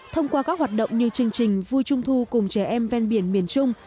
thông qua các hoạt động như chương trình vui trung thu cùng trẻ em ven biển miền trung